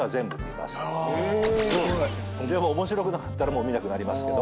でも面白くなかったらもう見なくなりますけど。